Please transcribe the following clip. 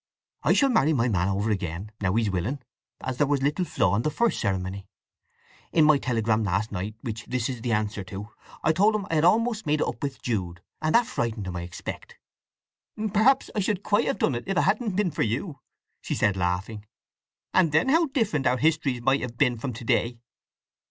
I shall marry my man over again, now he's willing, as there was a little flaw in the first ceremony. In my telegram last night which this is an answer to, I told him I had almost made it up with Jude; and that frightened him, I expect! Perhaps I should quite have done it if it hadn't been for you," she said laughing; "and then how different our histories might have been from to day!